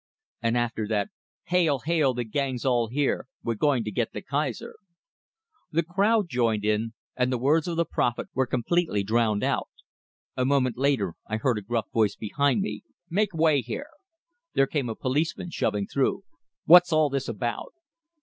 And after that: Hail! Hail! The gang's all here! We're going to get the Kaiser! The crowd joined in, and the words of the prophet were completely drowned out. A moment later I heard a gruff voice behind me. "Make way here!" There came a policeman, shoving through. "What's all this about?"